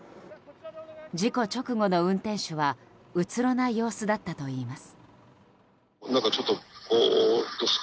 事故直後の運転手はうつろな様子だったといいます。